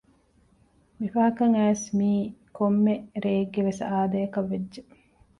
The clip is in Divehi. މި ފަހަކައް އައިސް މީ ކޮއްމެ ރެއެއްގެވެސް އާދައަކައްވެއްޖެ